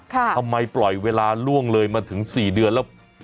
ทำไมปล่อยเวลาล่วงเลยมาถึง๔เดือนแล้ว